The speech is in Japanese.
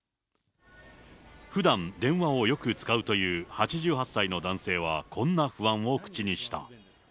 ふだん、電話をよく使うという８８歳の男性は、こんな不安を口にした。